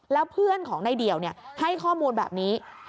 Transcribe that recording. แล้วเพื่อนของนายเดี่ยวให้ข้อมูลแบบนี้